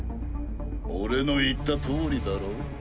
俺の言ったとおりだろ？